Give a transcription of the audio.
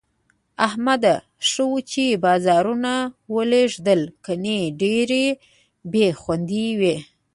احمده! ښه وو چې بازارونه ولږېدل، گني ډېره بې خوندي وه.